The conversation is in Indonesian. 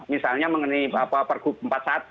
misalnya mengenai pergub empat puluh satu